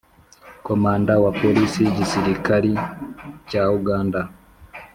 komanda wa polisi y'igisirikari cya uganda